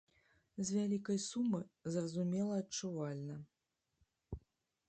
З вялікай сумы, зразумела, адчувальна.